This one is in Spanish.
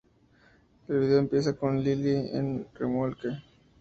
El video empieza con Lily en un remolque.